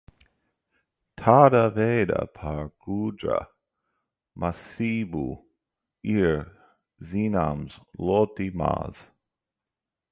Tādā veidā par gudrā mācību ir zināms ļoti maz.